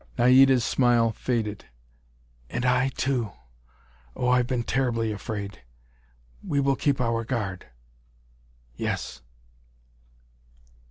Naida's smile faded. "And I too. Oh, I've been terribly afraid! We will keep our guard!" "Yes."